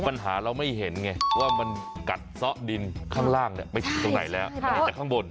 ปัญหาเราไม่เห็นไงว่ามันกัดซ่อดินข้างล่างไปถึงตรงไหนแล้วแต่ข้างบน